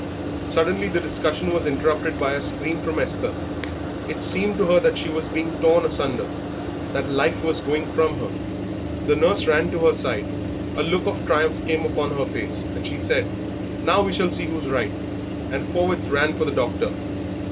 Suddenly the discussion was interrupted by a scream from Esther; it seemed to her that she was being torn asunder, that life was going from her. The nurse ran to her side, a look of triumph came upon her face, and she said, "Now we shall see who's right," and forthwith ran for the doctor.